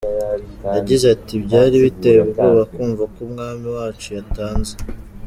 Yagize ati, “Byari biteye ubwoba kumva ko umwami wacu yatanze.